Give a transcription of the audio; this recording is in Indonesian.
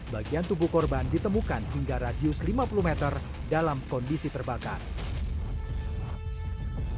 bagian tubuh korban ditemukan hingga radius lima puluh meter dalam kondisi terbakar